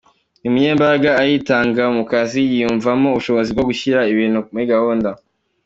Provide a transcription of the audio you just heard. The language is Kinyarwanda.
Ni munyembaraga, aritanga mu kazi, yiyumvamo ubushobozi bwo gushyira ibintu kuri gahunda.